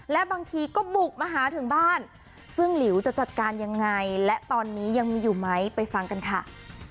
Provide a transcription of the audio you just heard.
และบางทีก็บุกมาหาถึงบ้านซึ่งหลิวจะจัดการยังไงและตอนนี้ยังมีอยู่ไหมไปฟังกันค่ะ